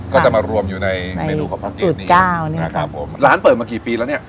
ก็จะมารวมอยู่ในเมนูของสูตรก้าวเนี้ยครับครับผมร้านเปิดมากี่ปีแล้วเนี้ย